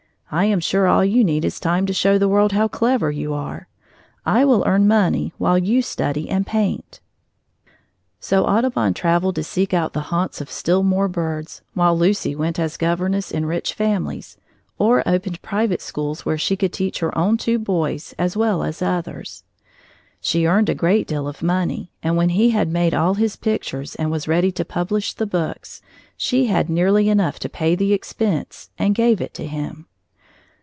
I am sure all you need is time to show the world how clever you are. I will earn money while you study and paint!" So Audubon traveled to seek out the haunts of still more birds, while Lucy went as governess in rich families, or opened private schools where she could teach her own two boys as well as others. She earned a great deal of money, and when he had made all his pictures and was ready to publish the books, she had nearly enough to pay the expense, and gave it to him.